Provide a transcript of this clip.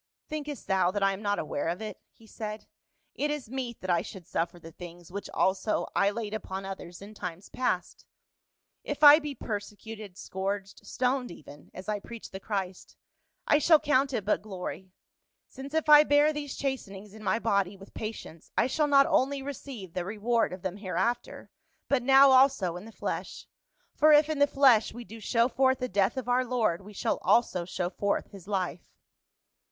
" Thinkest thou that I am not aware of it ?" he said. " It is meet that I should suffer the things which also I laid upon others in times past : if I be persecuted, scourged, stoned even, as I preach the Christ, I shall count it but glory, since if I bear these chastenings in my body with patience I shall not only receive the reward of them hereafter, but now also in the flesh ; for if in the flesh we do show forth the death of our Lord we shall also show forth his life."